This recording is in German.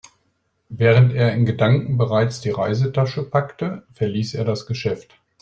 Während er in Gedanken bereits die Reisetasche packte, verließ er das Geschäft.